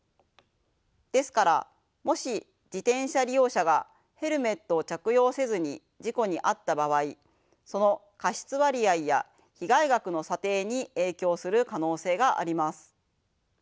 ですからもし自転車利用者がヘルメットを着用せずに事故に遭った場合その過失割合や被害額の査定に影響する可能性があります。